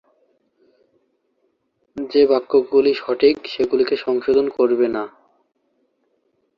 যে বাক্যগুলি সঠিক সেগুলিকে সংশোধন করবে না।